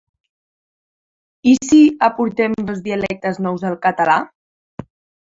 I sí: aportem dos dialectes nous al català!